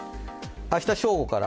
明日正午から。